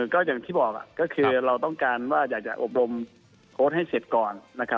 ก็อย่างที่บอกก็คือเราต้องการว่าอยากจะอบรมโค้ดให้เสร็จก่อน